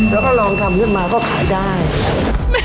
เราก็ลองทำให้มาก็ขายได้